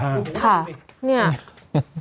ค่ะเนี่ย